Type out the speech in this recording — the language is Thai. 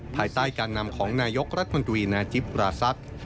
ภายใต้การนำของนายกรัฐมนตรีนาจิปราศักดิ์